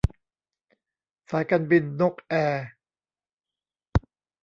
สายการบินนกแอร์